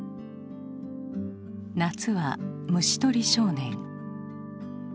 夏は虫捕り少年。